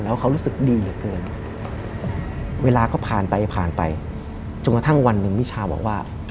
แล้วเขารู้สึกดีเหลือเกินเวลาก็ผ่านไปผ่านไปจนกระทั่งวันหนึ่งมิชาบอกว่า